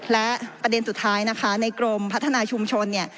และประเด็นสุดท้ายนะคะในกรมพัฒนาชุมชนเนี่ย